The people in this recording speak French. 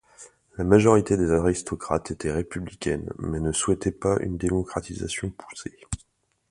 La majorité des aristocrates était républicaine mais ne souhaitait pas une démocratisation poussée.